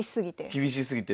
厳しすぎて。